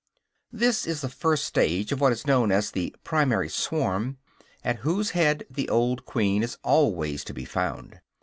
This is the first stage of what is known as the "primary swarm," at whose head the old queen is always to be found.